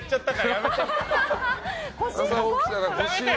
やめて！